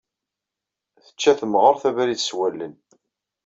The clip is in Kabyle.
Tečča temɣart abrid s wallen.